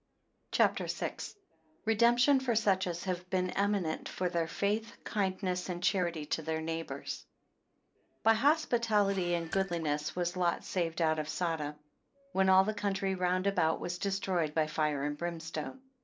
CHAPTER VI. 1 Redemption for such as have been eminent for their faith, kindness, and charity to their neighbours. BY hospitality and goodliness was Lot saved out of Sodom, when all the country round about was destroyed by fire and brimstone.